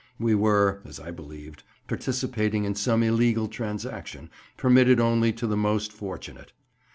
We were, as I believed, participating in some illegal transaction, permitted only to the most fortunate.